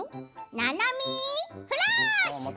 「ななみフラッシュ」。